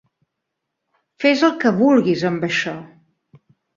Fes el què vulguis amb això.